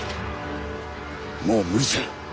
もう無理じゃ。